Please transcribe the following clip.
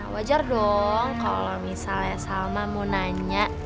wajar dong kalau misalnya salma mau nanya